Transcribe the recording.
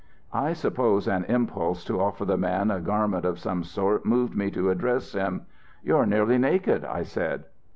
"I suppose an impulse to offer the man a garment of some sort moved me to address him. 'You're nearly naked,' I said.